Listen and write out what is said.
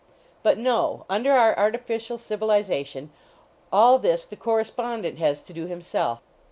But no; under our artificial civiliza tion, all this the correspondent has to do himself.